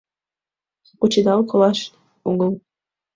— Кучедал колаш огыл!